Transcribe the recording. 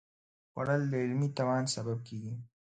خوړل د علمي توان سبب کېږي